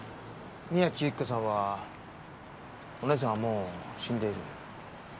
宮地由起子さんはお姉さんはもう死んでいる。